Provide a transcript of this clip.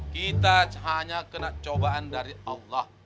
kita hanya kena cobaan dari allah